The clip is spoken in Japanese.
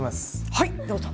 はいどうぞ。